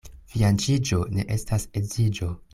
Fianĉiĝo ne estas edziĝo.